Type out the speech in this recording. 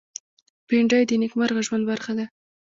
بېنډۍ د نېکمرغه ژوند برخه ده